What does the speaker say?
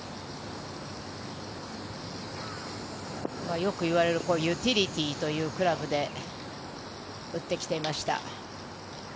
よく言われるユーティリティーと言われるクラブで打ってきていました。